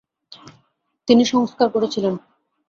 তিনি সংস্কার করেছিলেন।